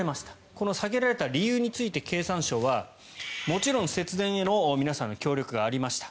この避けられた理由について経産省はもちろん節電への皆さんの協力がありました。